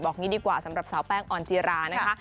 บอกแบบนี้ดีกว่าสำหรับสาวแป้งอ่อนจิรานะคะ